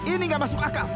ini nggak masuk akal